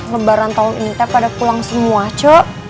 lebaran tahun ini tak pada pulang semua cuk